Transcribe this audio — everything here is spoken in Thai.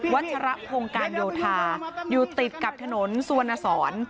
ัชรพงศ์การโยธาอยู่ติดกับถนนสุวรรณสอน